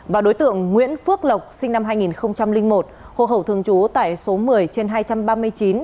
và đối tượng nguyễn phước lộc sinh năm hai nghìn một hồ hậu thường trú tại số một mươi trên hai trăm ba mươi chín